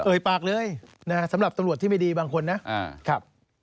เอ่ยปากเลยสำหรับตำรวจที่ไม่ดีบางคนนะ